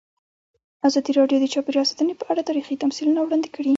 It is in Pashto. ازادي راډیو د چاپیریال ساتنه په اړه تاریخي تمثیلونه وړاندې کړي.